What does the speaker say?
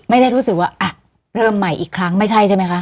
ไม่ได้รู้สึกว่าอ่ะเริ่มใหม่อีกครั้งไม่ใช่ใช่ไหมคะ